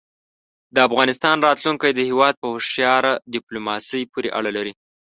د افغانستان راتلونکی د هېواد په هوښیاره دیپلوماسۍ پورې اړه لري.